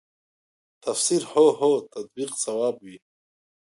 تفسیر هو هو تطبیق صواب وي.